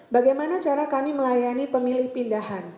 bagaimana cara kami melayani pemilih pindahan